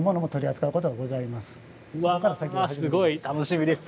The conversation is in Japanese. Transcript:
すごい楽しみですよ。